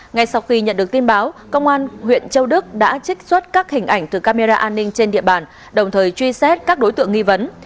ngay sau khi nhận được tin báo công an huyện châu đức đã trích xuất các hình ảnh từ camera an ninh trên địa bàn đồng thời truy xét các đối tượng nghi vấn